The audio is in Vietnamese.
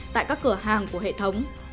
tại các cửa hàng của hệ thống